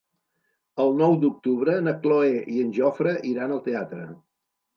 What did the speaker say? El nou d'octubre na Cloè i en Jofre iran al teatre.